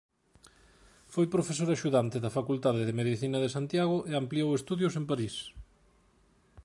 Foi profesor axudante da Facultade de Medicina de Santiago e ampliou estudios en París.